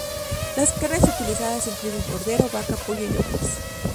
Las carnes utilizadas incluyen cordero, vaca, pollo y otras.